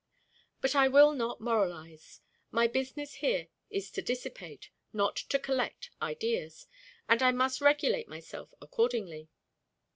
But I will not moralize. My business here is to dissipate, not to collect, ideas; and I must regulate myself accordingly.